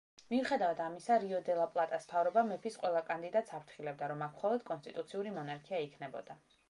მიუხედავად ამისა, რიო-დე-ლა-პლატას მთავრობა მეფის ყველა კანდიდატს აფრთხილებდა, რომ აქ მხოლოდ კონსტიტუციური მონარქია იქნებოდა.